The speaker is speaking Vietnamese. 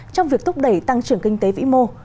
trong việc thúc đẩy tăng trưởng kinh tế vĩ mô